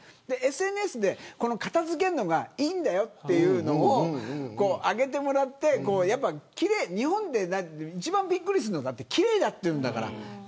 ＳＮＳで片付けるのがいいんだよというのを上げてもらって日本は一番びっくりするのが奇麗だっていうんだから。